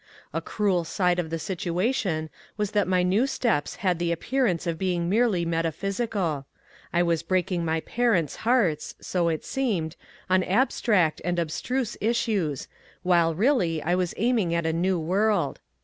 A cruel side of the situation was that my new steps had the appearance of being merely metaphysical. I was break ing my parents' hearts — so it seemed — on abstract and ab struse issues, while really I was aiming at a new world.